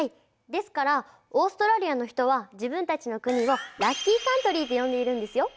ですからオーストラリアの人は自分たちの国をラッキー・カントリーと呼んでいるんですよ。